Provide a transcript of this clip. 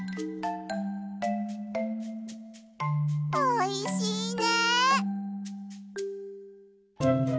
おいしいね！